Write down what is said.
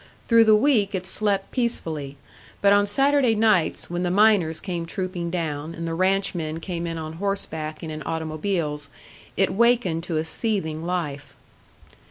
Through the week it slept peacefully; but on Saturday nights, when the miners came trooping down, and the ranchmen came in on horseback and in automobiles, it wakened to a seething life.